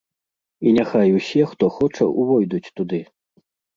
І няхай усе, хто хоча, увойдуць туды.